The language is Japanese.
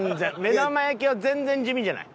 目玉焼きは全然地味じゃない。